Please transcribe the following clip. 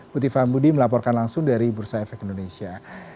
putih faham budi melaporkan langsung dari bursa efek indonesia